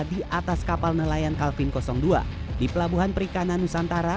di atas kapal nelayan kalvin dua di pelabuhan perikanan nusantara